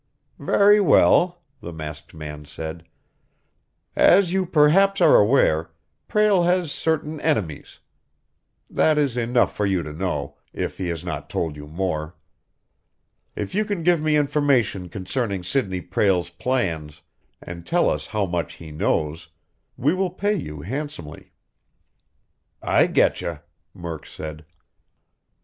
"Very well," the masked man said. "As you perhaps are aware, Prale has certain enemies. That is enough for you to know, if he has not told you more. If you can give me information concerning Sidney Prale's plans, and tell us how much he knows, we will pay you handsomely." "I getcha," Murk said.